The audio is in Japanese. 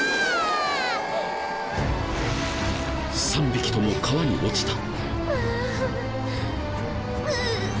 ３匹とも川に落ちた。